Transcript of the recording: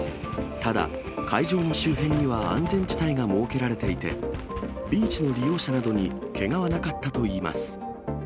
ただ、会場の周辺には安全地帯が設けられていて、ビーチの利用者などにけがはなかったといいます。